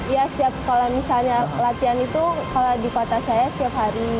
ya setiap kalau misalnya latihan itu kalau di kota saya setiap hari